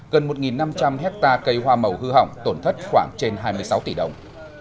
gần một năm trăm linh hectare cây hoa màu hư hỏng tổn thất khoảng trên hai mươi sáu tỷ đồng